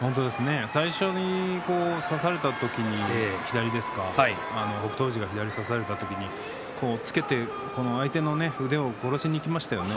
最初に差された時に左を北勝富士が左を差された時に押っつけて相手の腕を殺しにきましたよね。